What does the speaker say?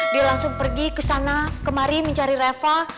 dia langsung pergi ke sana kemari mencari reva